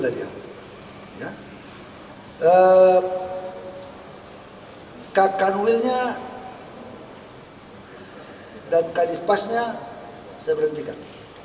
dan ya kak kanwilnya dan kadifasnya saya berhentikan